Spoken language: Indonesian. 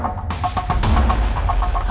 aku mau ke rumah